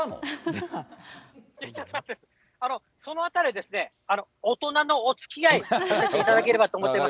そのあたりはですね、大人のおつきあいさせていただければと思っております。